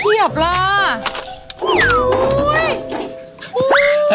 อุ๊ยน่ากินน่าอธิบายมาก